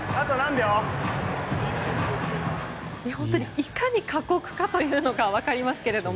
いかに過酷かというのが分かりますけども。